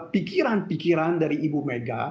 pikiran pikiran dari ibu mega